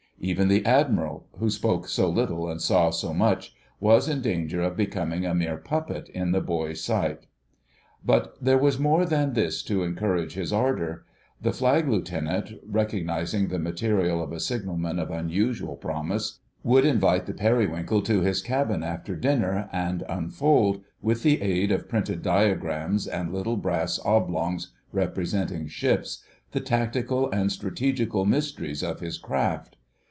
Even the Admiral, who spoke so little and saw so much, was in danger of becoming a mere puppet in the boy's sight. But there was more than this to encourage his ardour. The Flag Lieutenant, recognising the material of a signalman of unusual promise, would invite the Periwinkle to his cabin after dinner and unfold, with the aid of printed diagrams and little brass oblongs representing ships, the tactical and strategical mysteries of his craft.